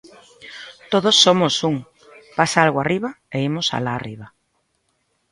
Todos somos un, pasa algo arriba e imos alá arriba.